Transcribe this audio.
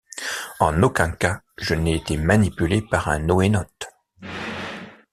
En aucun cas je n'ai été manipulé par un «NoéNaute».